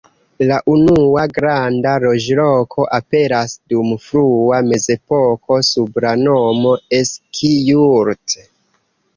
La unua granda loĝloko aperas dum frua mezepoko sub la nomo "Eski-Jurt".